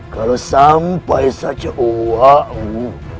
kalau sampai saja uwamu